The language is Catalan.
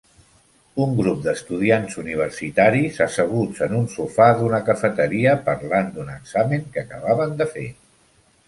Un grup d'estudiants universitaris asseguts en un sofà d'una cafeteria parlant d'un examen que acabaven de fer